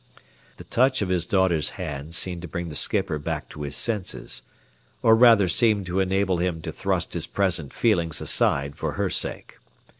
The touch of his daughter's hand seemed to bring the skipper back to his senses, or rather seemed to enable him to thrust his present feelings aside for her sake.